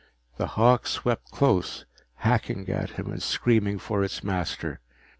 The hawk swept close, hacking at him and screaming for its master.